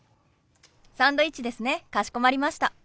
サンドイッチですねかしこまりました。